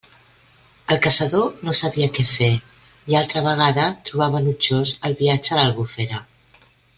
El caçador no sabia què fer, i altra vegada trobava enutjós el viatge a l'Albufera.